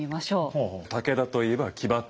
武田といえば騎馬隊。